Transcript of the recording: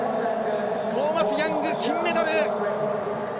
トーマス・ヤング、金メダル！